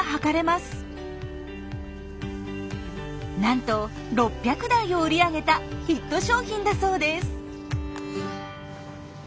なんと６００台を売り上げたヒット商品だそうです！